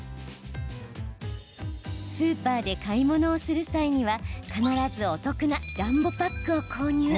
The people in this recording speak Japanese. スーパーで買い物をする際には必ずお得なジャンボパックを購入。